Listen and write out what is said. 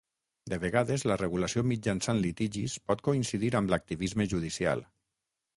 De vegades, la regulació mitjançant litigis pot coincidir amb l'activisme judicial.